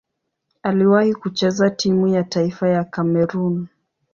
Aliwahi kucheza timu ya taifa ya Kamerun.